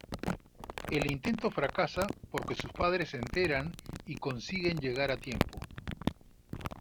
El intento fracasa porque sus padres se enteran y consiguen llegar a tiempo.